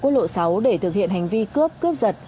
quốc lộ sáu để thực hiện hành vi cướp cướp giật